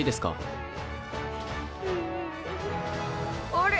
あれ？